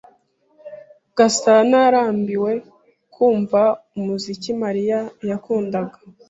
Gasana yarambiwe kumva umuziki Mariya yakundaga.